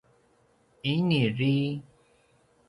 ini dri